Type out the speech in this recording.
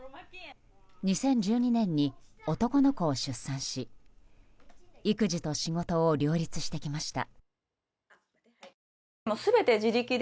２０１２年に男の子を出産し育児と仕事を両立してきました。